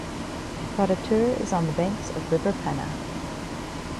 Proddatur is on the banks of river Penna.